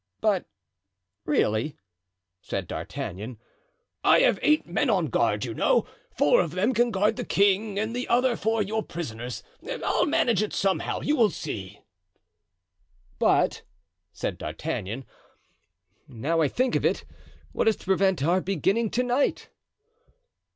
"But really——" said D'Artagnan. "I have eight men on guard, you know. Four of them can guard the king and the other four your prisoners. I'll manage it somehow, you will see." "But," said D'Artagnan, "now I think of it—what is to prevent our beginning to night?"